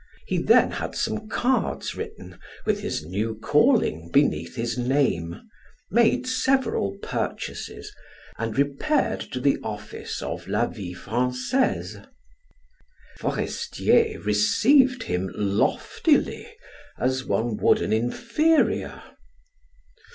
He then had some cards written with his new calling beneath his name, made several purchases, and repaired to the office of "La Vie Francaise." Forestier received him loftily as one would an inferior.